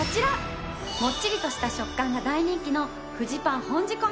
もっちりとした食感が大人気のフジパン本仕込。